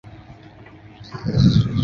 蜜月大桥处。